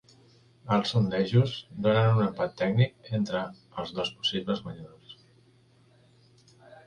Els sondejos donen un empat tècnic entre els dos possibles guanyadors